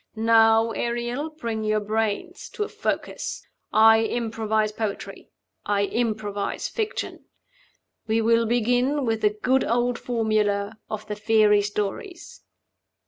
Now, Ariel, bring your brains to a focus. I improvise poetry; I improvise fiction. We will begin with the good old formula of the fairy stories.